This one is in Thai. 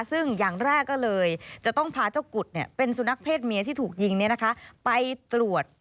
ซึ่งอย่างแรกก็เลยจะต้องพาเจ้ากุฎเป็นสุนัขเพศเมียที่ถูกยิงไปตรวจ